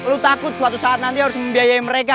lu takut suatu saat nanti harus membiayai mereka